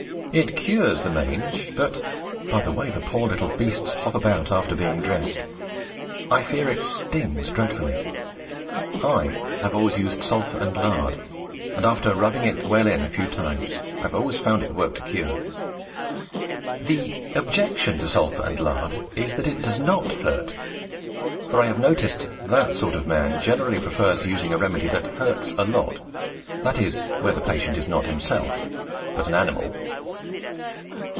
It cures the mange, but, by the way the poor little beasts hop about after being dressed, I fear it stings dreadfully. I have always used sulphur and lard, and after rubbing it well in a few times I have always found it worked a cure. The objection to sulphur and lard is that it does not hurt, for I have noticed that sort of man generally prefers using a remedy that hurts a lot that is, where the patient is not himself, but an animal.